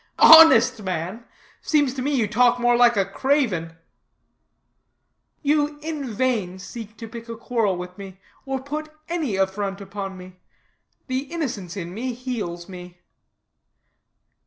"Honest man? Seems to me you talk more like a craven." "You in vain seek to pick a quarrel with me, or put any affront upon me. The innocence in me heals me."